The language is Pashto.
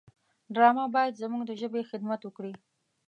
ډرامه باید زموږ د ژبې خدمت وکړي